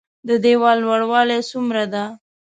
د ديوال لوړوالی څومره ده؟